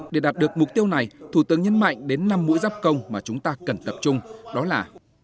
để đạt được mục tiêu này thủ tướng nhấn mạnh đến năm mũi dắp công mà chúng ta cần tập trung đó là